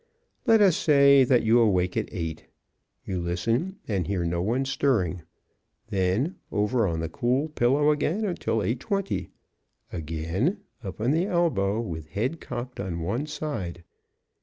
Let us say that you awake at eight. You listen and hear no one stirring. Then, over on the cool pillow again until eight twenty. Again up on the elbow, with head cocked on one side.